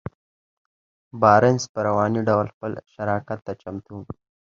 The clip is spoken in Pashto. بارنس په رواني ډول خپل شراکت ته چمتو و.